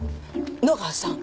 野川さん